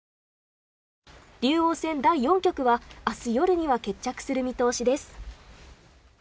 竜王戦第４局は明日夜には決着する見通しです。